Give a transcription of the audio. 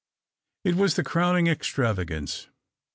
It was the crowning extravagance.